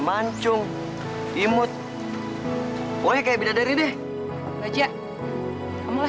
bajak kamu ngapain disini malam malam